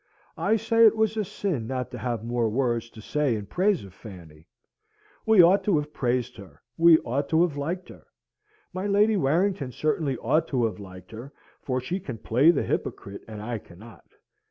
I say it was a sin not to have more words to say in praise of Fanny. We ought to have praised her, we ought to have liked her. My Lady Warrington certainly ought to have liked her, for she can play the hypocrite, and I cannot.